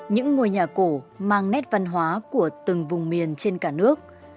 những ngôi nhà cổ mang nét văn hóa của từng vùng miền trên cả nước